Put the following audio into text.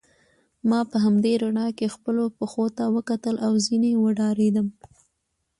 ما په همدې رڼا کې خپلو پښو ته وکتل او ځینې وډارېدم.